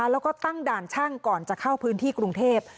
แล้วก็ตั้งด่านช่างก่อนจะเข้าพื้นที่กรุงเทพ